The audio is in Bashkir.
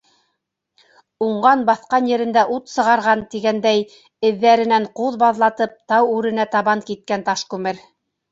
Уңған баҫҡан ерендә ут сығарған, тигәндәй, эҙҙәренән ҡуҙ баҙлатып, тау үренә табан киткән Ташкүмер.